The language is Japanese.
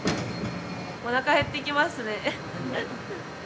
おなか減ってきますね。